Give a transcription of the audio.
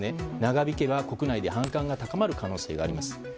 長引けば国内で反感が高まる可能性があります。